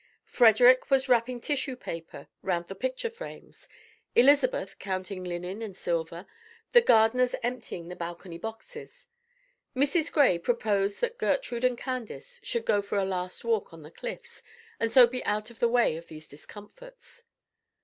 Frederic was wrapping tissue paper round the picture frames, Elizabeth counting linen and silver, the gardeners emptying the balcony boxes. Mrs. Gray proposed that Gertrude and Candace should go for a last walk on the Cliffs, and so be out of the way of these discomforts.